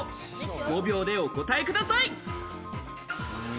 ５秒でお答えください。